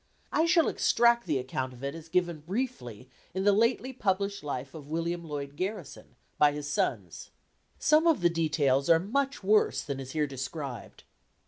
I shall extract the account of it as given briefly in the lately published life of William Lloyd Garrison, by his sons. Some of the details are much worse than is here described.